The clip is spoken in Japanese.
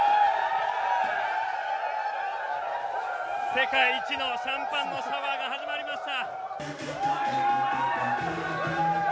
世界一のシャンパンのシャワーが始まりました！